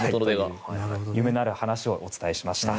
夢のある話をお伝えしました。